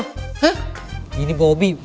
hah ini bobi